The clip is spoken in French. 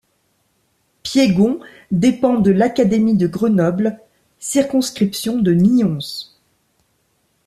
Piégon dépend de l'académie de Grenoble, circonscription de Nyons.